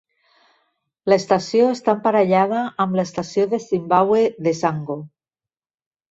L'estació està emparellada amb l'estació de Zimbabwe de Sango.